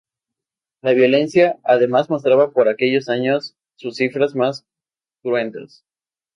La violencia, además, mostraba por aquellos años sus cifras más cruentas.